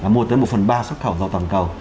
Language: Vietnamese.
mua tới một phần ba xuất khẩu dầu toàn cầu